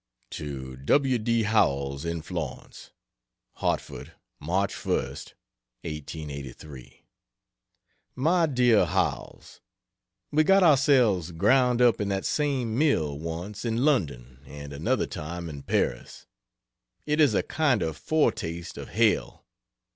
To W. D. Howells, in Florence: HARTFORD, March 1st, 1883. MY DEAR HOWELLS, We got ourselves ground up in that same mill, once, in London, and another time in Paris. It is a kind of foretaste of hell.